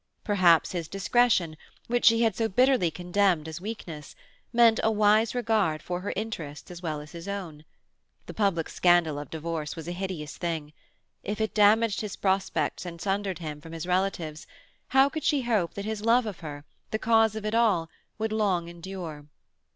Perhaps his discretion, which she had so bitterly condemned as weakness, meant a wise regard for her interests as well as his own. The public scandal of divorce was a hideous thing. If it damaged his prospects and sundered him from his relatives, how could she hope that his love of her, the cause of it all, would long endure?